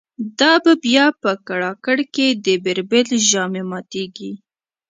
دا به بیا په کړاکړ کی د« بیربل» ژامی ماتیږی